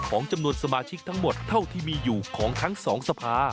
จำนวนสมาชิกทั้งหมดเท่าที่มีอยู่ของทั้งสองสภา